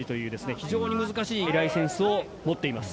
非常に難しいライセンスを持っています。